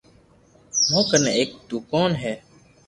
مون ڪني ايڪ دوڪون ھي